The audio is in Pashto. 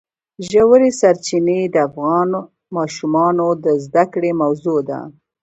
ژورې سرچینې د افغان ماشومانو د زده کړې موضوع ده.